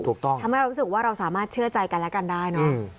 ทำให้เรารู้สึกว่าเราสามารถเชื่อใจกันและกันได้เนอะ